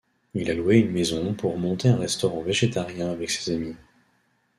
Il a loué une maison pour monter un restaurant végétarien avec ses amis.